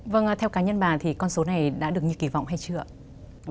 vâng theo cá nhân bà thì con số này đã được như kỳ vọng hay chưa ạ